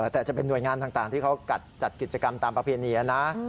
แต่จะเป็นหน่วยงานต่างที่เขากัดจัดกิจกรรมตามประเพณีนะ